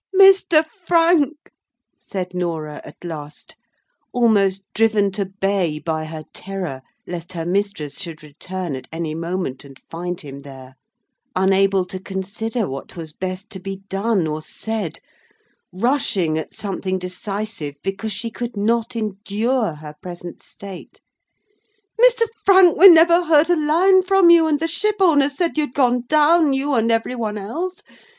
"Mr. Frank!" said Norah at last, almost driven to bay by her terror lest her mistress should return at any moment, and find him there—unable to consider what was best to be done or said—rushing at something decisive, because she could not endure her present state: "Mr. Frank! we never heard a line from you, and the shipowners said you had gone down, you and every one else.